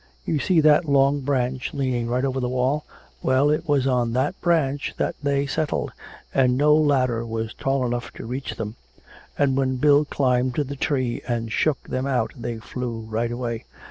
You see that long branch leaning right over the wall; well, it was on that branch that they settled, and no ladder was tall enough to reach them; and when Bill climbed the tree and shook them out they flew right away.